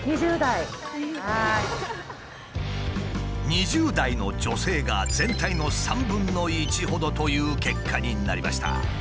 ２０代の女性が全体の３分の１ほどという結果になりました。